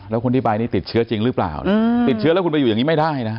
แล้วคนที่ไปนี่ติดเชื้อจริงหรือเปล่าติดเชื้อแล้วคุณไปอยู่อย่างนี้ไม่ได้นะ